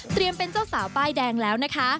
เป็นเจ้าสาวป้ายแดงแล้วนะคะ